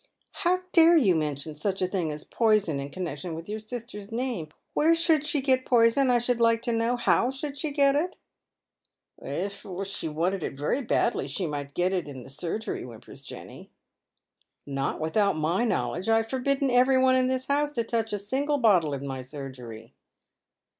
" How dare you mention such a thing as poison in connection with your sister's name ? Wliere should she get poison, I should hke to know ? How should she get it ?" "If — if she wanted it very badly she might get it in the surgery," whimpers Jenny. "Not without my knowledge. I have forbidden every one in this house to touch a single bottle in my surgery."